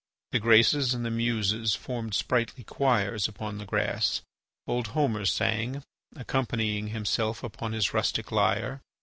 The Graces and the Muses formed sprightly choirs upon the grass. Old Homer sang, accompanying himself upon his rustic lyre.